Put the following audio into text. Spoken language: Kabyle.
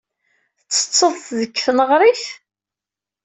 Tettetteḍ-t deg tneɣrit?